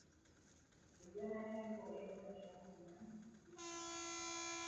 וזה מה שהם קוראים בלשון עדינה: הריכוזיות